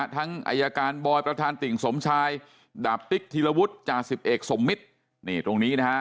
อายการบอยประธานติ่งสมชายดาบติ๊กธีรวุฒิจาสิบเอกสมมิตรนี่ตรงนี้นะฮะ